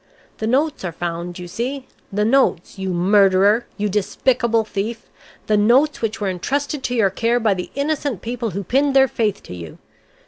"The notes are found you see; the notes, you murderer, you despicable thief, the notes which were entrusted to your care by the innocent people who pinned their faith to you."